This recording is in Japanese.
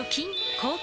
抗菌！